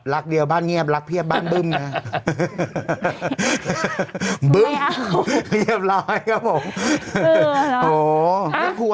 รักเดียวบ้านเงียบรักเพียบบ้านบึ้มนะ